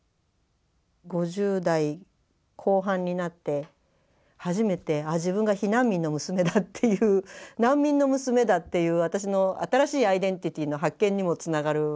５０代後半になって初めて自分が避難民の娘だっていう難民の娘だっていう私の新しいアイデンティティーの発見にもつながるわけですよね。